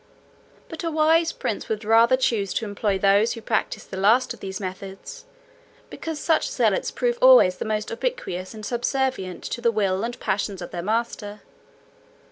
But a wise prince would rather choose to employ those who practise the last of these methods; because such zealots prove always the most obsequious and subservient to the will and passions of their master.